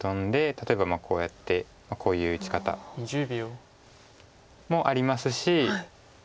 例えばこうやってこういう打ち方もありますし。